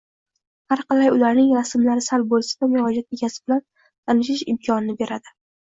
Harqalay ularning rasmlari sal bo`lsa-da murojaat egasi bilan tanishish imkonini beradi